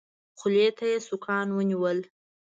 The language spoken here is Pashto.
خولې ته يې سوکان ونيول.